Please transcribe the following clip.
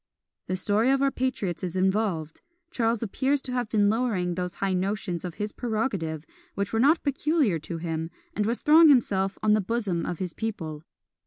The story of our patriots is involved; Charles appears to have been lowering those high notions of his prerogative, which were not peculiar to him, and was throwing himself on the bosom of his people.